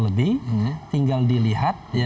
lebih tinggal dilihat